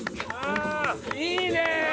いいね！